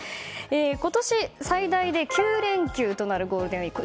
今年、最大で９連休となるゴールデンウィーク。